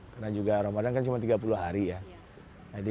karena juga ramadan kan cuma tiga puluh hari ya